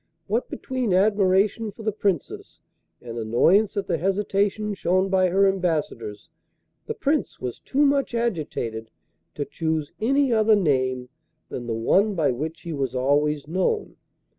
What between admiration for the Princess and annoyance at the hesitation shown by her ambassadors the Prince was too much agitated to choose any other name than the one by which he was always known.